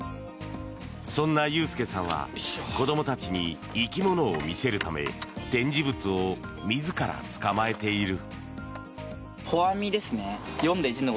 そんな裕介さんは子どもたちに生き物を見せるため展示物を自ら捕まえている。